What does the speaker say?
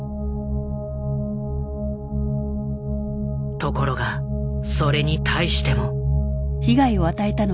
ところがそれに対しても。